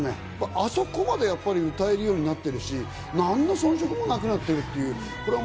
あそこまでやっぱり歌えるようになってるし、何の遜色もなくなっている。